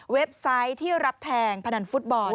ไซต์ที่รับแทงพนันฟุตบอล